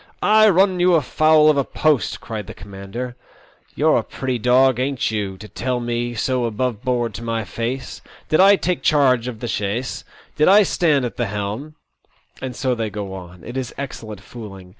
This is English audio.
" I run you foul of a post ?" cried the commander. " You're a pretty dog, ain't you, to TEE OLD SEA DOQ. Ill tell me so aboveboard to my face ? Did I tate charge of the chaise ? Did I stand at the helm ?" And so they go on. It is excellent fooling.